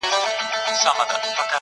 په میوندونو کي د زغرو قدر څه پیژني!!